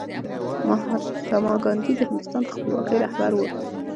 مهاتما ګاندي د هندوستان د خپلواکۍ رهبر و.